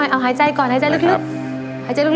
ล้อสหายไปเฉย